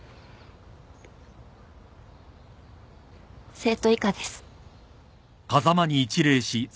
生徒以下です。